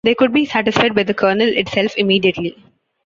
They could be satisfied by the kernel itself immediately.